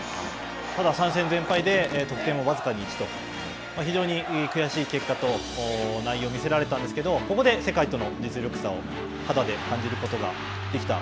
ただ、３戦全敗で、得点も僅かに１と、非常に悔しい結果と内容を見せられたんですけれども、ここで世界との実力差を、肌で感じることができた。